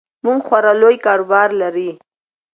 دوی خورا لوی کاروبار لري.